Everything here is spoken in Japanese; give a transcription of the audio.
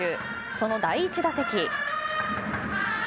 その第１打席。